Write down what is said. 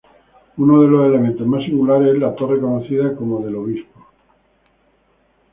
Uno de los elementos más singulares es la torre conocida como del Obispo.